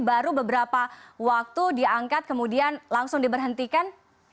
baru beberapa waktu diangkat kemudian langsung diberhentikan